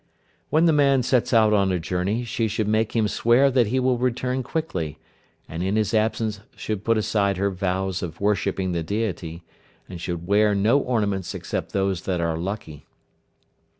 When the man sets out on a journey, she should make him swear that he will return quickly, and in his absence should put aside her vows of worshipping the Deity, and should wear no ornaments except those that are lucky.